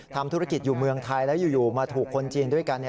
ทำธุรกิจอยู่เมืองไทยแล้วอยู่มาถูกคนจีนด้วยกัน